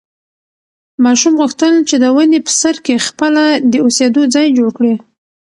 ماشوم غوښتل چې د ونې په سر کې خپله د اوسېدو ځای جوړ کړي.